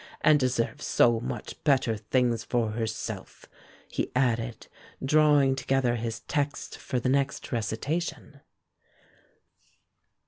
And deserves so much better things for herself," he added, drawing together his texts for the next recitation.